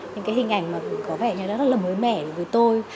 những cái hình ảnh mà có vẻ như nó rất là mới mẻ với tôi